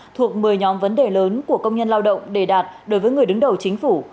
thuộc một mươi nhóm vấn đề lớn của công nhân lao động đề đạt đối với người đứng đầu chính phủ